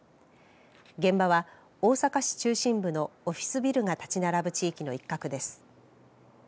現場は大阪市中心部のオフィスビルが建ち並ぶ地域の一角です。